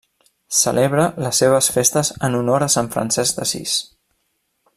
Celebra les seves festes en honor a Sant Francesc d'Assís.